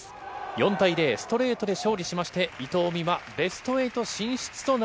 ４対０、ストレートで勝利しまして、伊藤美誠、ベスト８進出とな